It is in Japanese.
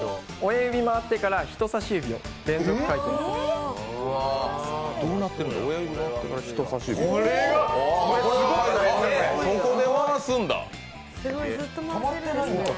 親指回ってから、人さし指を連続回転させる。